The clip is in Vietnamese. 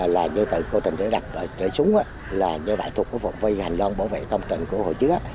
là như vậy cơ trình để đặt trái súng là như vậy thuộc phòng vây hành loạn bảo vệ công trình của hồ chứa